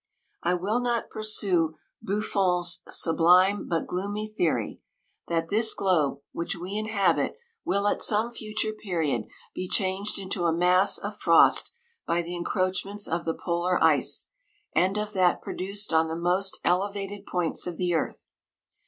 I will not pursue Buffon's sublime but gloomy theory — that this globe M 162 which we inhabit will at some future period be changed into a mass of frost by the encroachments of the polar ice, and of that produced on the most ele vated points of the earth.